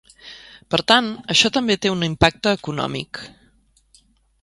Per tant, això també té un impacte econòmic.